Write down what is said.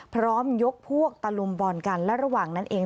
พร้อมยกพวกตะลุมบอลกันและระหว่างนั้นเอง